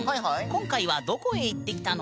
今回はどこへ行ってきたの？